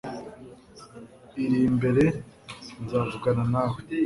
iri mbere nzavugana nawe